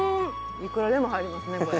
いくらでも入りますねこれ。